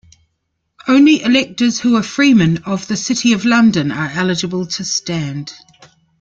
Only electors who are Freemen of the City of London are eligible to stand.